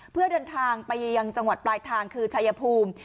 เพื่อเดินทางไปยังจังหวัดปลายทางคือชายภูมิ